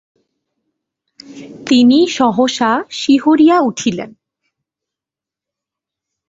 তিনি সহসা শিহরিয়া উঠিলেন।